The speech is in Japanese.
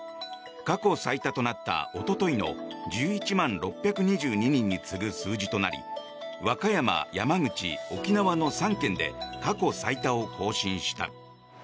過去最多となったおとといの１１万６２２人に次ぐ数字となり和歌山、山口、沖縄の３県で過去最多を更新した。